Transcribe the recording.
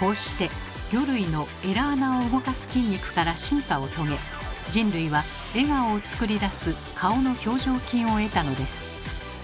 こうして魚類のエラ孔を動かす筋肉から進化を遂げ人類は笑顔をつくり出す顔の表情筋を得たのです。